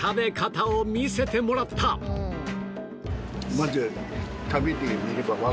まず。